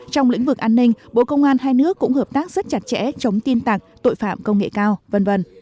trong lĩnh vực an ninh bộ công an hai nước cũng hợp tác rất chặt chẽ chống tin tặc tội phạm công nghệ cao v v